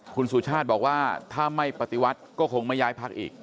คุณสุชาติบอกว่าถ้าไม่ปฏิวัติก็คงไม่ย้ายพักอีก